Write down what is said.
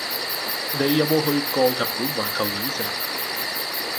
你有冇去過日本環球影城？